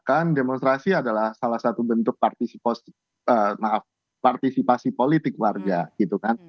kan demonstrasi adalah salah satu bentuk maaf partisipasi politik warga gitu kan